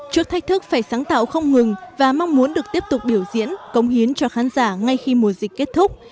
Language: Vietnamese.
trước thách thức phải sáng tạo không ngừng và mong muốn được tiếp tục biểu diễn công hiến cho khán giả ngay khi mùa dịch kết thúc